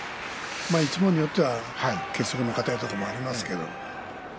一門によっては結束の固いところもありますけれど。